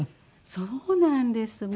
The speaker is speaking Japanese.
そうなんですもう。